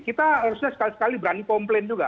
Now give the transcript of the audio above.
kita harusnya sekali sekali berani komplain juga